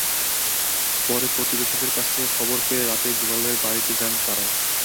পরে প্রতিবেশীদের কাছ থেকে খবর পেয়ে রাতেই দুলালের বাড়িতে যান তাঁরা।